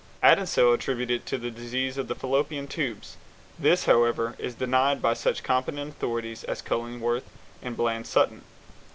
Addinsell attributed it to disease of the Fallopian tubes. This, however, is denied by such competent authorities as Cullingworth and Bland Sutton.